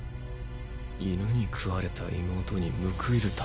犬に食われた妹に報いるためだろ？